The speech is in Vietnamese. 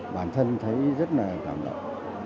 bản thân thấy rất là cảm động